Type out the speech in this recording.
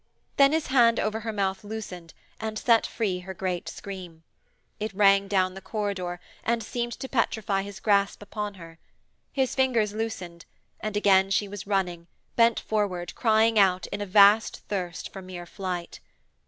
Then his hand over her mouth loosened and set free her great scream. It rang down the corridor and seemed to petrify his grasp upon her. His fingers loosened and again she was running, bent forward, crying out, in a vast thirst for mere flight.